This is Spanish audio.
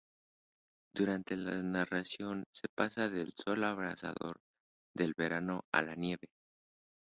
Durante la narración se pasa del sol abrasador del verano a la nieve.